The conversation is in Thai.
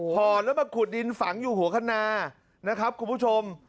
ห่อแล้วมาขุดดินฝังอยู่หัวคณานะครับคุณผู้ชม